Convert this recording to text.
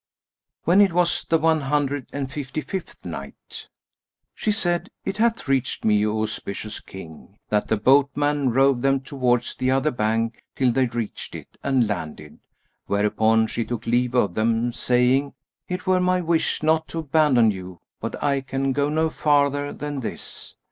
When it was the One Hundred and Fifty fifth Night, She said, It hath reached me, O auspicious King, that the boatman rowed them towards the other bank till they reached it and landed, whereupon she took leave of them, saying, "It were my wish not to abandon you, but I can go no farther than this."